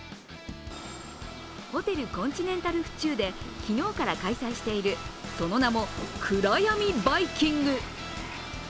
ホテルコンチネンタル府中で昨日から開催しているその名も、くらやみバイキング。